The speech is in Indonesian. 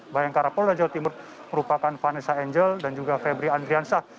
bayangkara polda jawa timur merupakan vanessa angel dan juga febri andriansah